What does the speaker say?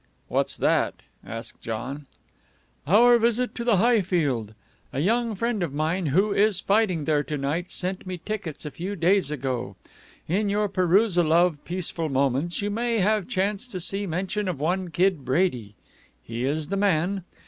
"What's that?" asked John. "Our visit to the Highfield. A young friend of mine who is fighting there to night sent me tickets a few days ago. In your perusal of Peaceful Moments you may have chanced to see mention of one Kid Brady. He is the man.